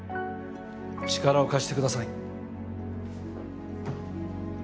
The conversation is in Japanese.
力を貸してください。